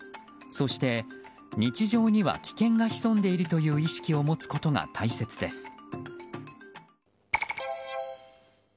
そして、日常には危険が潜んでいるという意識を持つことが大切です。